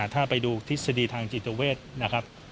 ถ้าไปดูทฤษฎีทางจิตเวทนะครับ